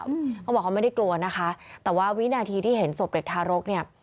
เขาบอกเขาไม่ได้กลัวนะคะแต่ว่าวินาทีที่เห็นศพเด็กทารกเนี่ย